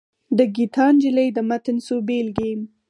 د ګیتا نجلي د متن څو بېلګې.